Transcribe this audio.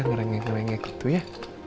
merengek rengek itu ya